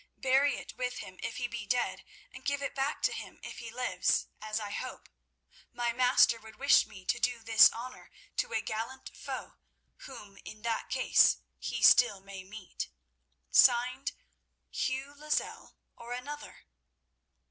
Bury it with him if he be dead, and give it back to him if he lives, as I hope. My master would wish me to do this honour to a gallant foe whom in that case he still may meet. (Signed) Hugh Lozelle, or Another."